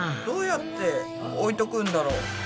どうやって置いとくんだろう？